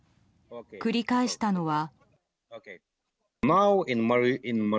繰り返したのは。